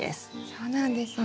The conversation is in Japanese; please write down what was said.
そうなんですね。